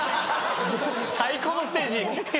最高のステージ。